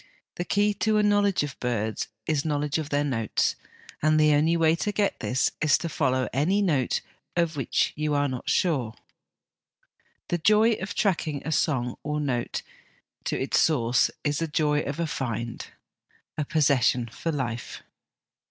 The key to a knowledge of birds is knowledge of their notes, and the only way to get this is to follow any note of which you are not QO HOME EDUCATION sure. The joy of tracking a song or note to its source is the joy of a ' find,' a possession for life.